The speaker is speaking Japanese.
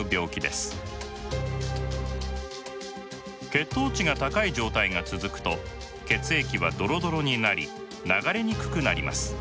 血糖値が高い状態が続くと血液はドロドロになり流れにくくなります。